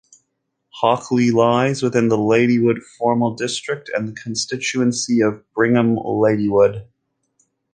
Hockley lies within the Ladywood formal district and the constituency of Birmingham Ladywood.